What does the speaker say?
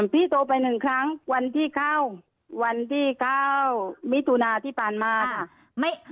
พี่โทรไปหนึ่งครั้งวันที่เข้ามิตุนาที่ปานมาค่ะ